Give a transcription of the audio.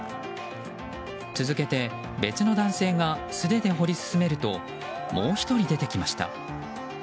続けて、別の男性が素手で掘り進めるともう１人、出てきました。